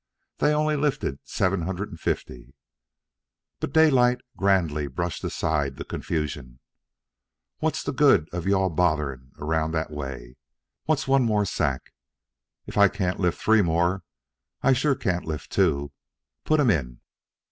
"They only lifted seven hundred and fifty." But Daylight grandly brushed aside the confusion. "What's the good of you all botherin' around that way? What's one more sack? If I can't lift three more, I sure can't lift two. Put 'em in."